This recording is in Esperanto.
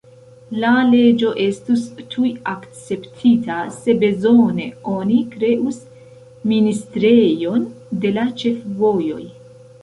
La leĝo estus tuj akceptita: se bezone, oni kreus ministrejon de la ĉefvojoj.